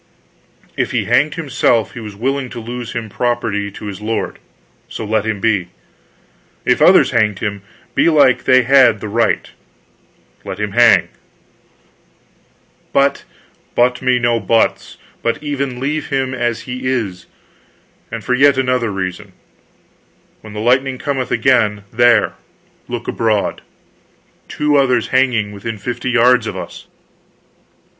"If he hanged himself, he was willing to lose him property to his lord; so let him be. If others hanged him, belike they had the right let him hang." "But " "But me no buts, but even leave him as he is. And for yet another reason. When the lightning cometh again there, look abroad." Two others hanging, within fifty yards of us!